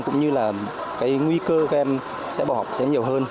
cũng như là cái nguy cơ các em sẽ bỏ học sẽ nhiều hơn